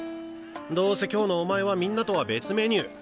どうせ今日のお前はみんなとは別メニュー。